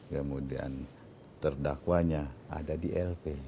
kemudian terdakwanya ada di lp